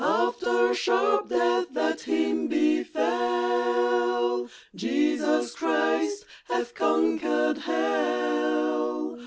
After sharp death that Him befell, Jesus Christ hath conquered hell.